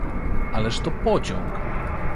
"Ależ to pociąg!"